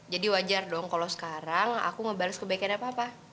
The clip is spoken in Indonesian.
jadi wajar dong kalau sekarang aku ngebales kebaikannya papa